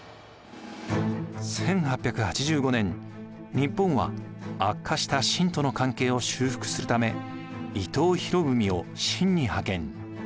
日本は悪化した清との関係を修復するため伊藤博文を清に派遣。